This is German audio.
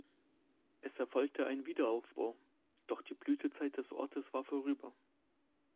Es erfolgte ein Wiederaufbau, doch die Blütezeit des Ortes war vorüber.